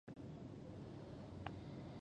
دا غږ د بشریت استازیتوب کوي.